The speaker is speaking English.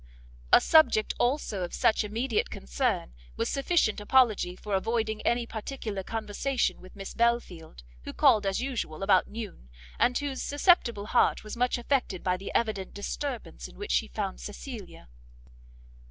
A subject also of such immediate concern, was sufficient apology for avoiding any particular conversation with Miss Belfield, who called, as usual, about noon, and whose susceptible heart was much affected by the evident disturbance in which she found Cecilia.